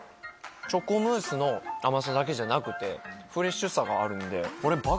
チョコムースの甘さだけじゃなくてフレッシュさがあるんでこれ。